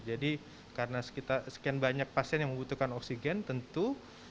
jadi karena sekian banyak pasien yang membutuhkan oksigen tentu